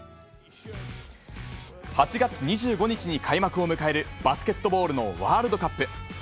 ８月２５日に開幕を迎えるバスケットボールのワールドカップ。